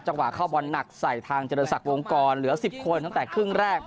เข้าบอลหนักใส่ทางเจริญศักดิวงกรเหลือ๑๐คนตั้งแต่ครึ่งแรก